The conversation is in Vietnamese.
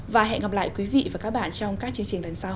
và hẹn gặp lại quý vị và các bạn trong các chương trình lần sau